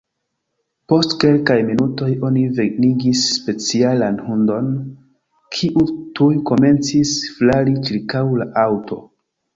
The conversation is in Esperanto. Post kelkaj minutoj oni venigis specialan hundon, kiu tuj komencis flari ĉirkaŭ la aŭto.